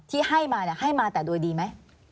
ที่ให้มาให้มาแต่โดยดีไหม